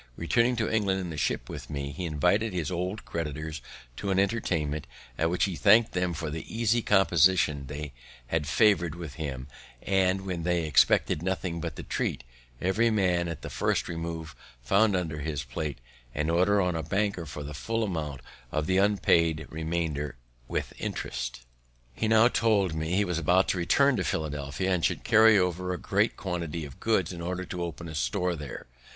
Returning to England in the ship with me, he invited his old creditors to an entertainment, at which he thank'd them for the easy composition they had favoured him with, and, when they expected nothing but the treat, every man at the first remove found under his plate an order on a banker for the full amount of the unpaid remainder with interest. He now told me he was about to return to Philadelphia, and should carry over a great quantity of goods in order to open a store there.